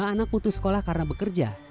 lima anak putus sekolah karena bekerja